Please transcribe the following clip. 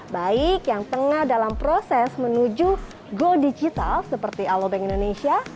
baik yang tengah dalam proses menuju go digital seperti alobank indonesia